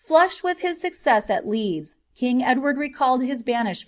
137 Flmhed with his success at Leeds, King Edward recalled his banished